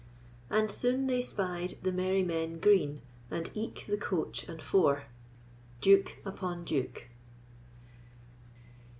And soon they spied the merry men green, And eke the coach and four. Duke upon Duke.